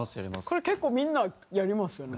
これ結構みんなやりますよね。